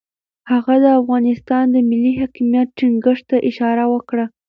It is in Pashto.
هغه د افغانستان د ملي حاکمیت ټینګښت ته اشاره وکړه.